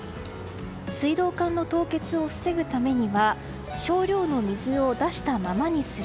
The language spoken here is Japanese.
水道管の凍結を防ぐためには少量の水を出したままにする。